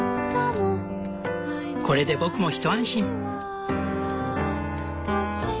これで僕も一安心。